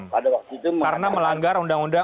pada waktu itu karena melanggar